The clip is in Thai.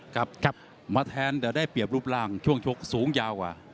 ครับมาแทนแต่ได้เปรียบรูปร่างช่วงชกสูงยาวกว่า